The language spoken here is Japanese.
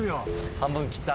半分切った。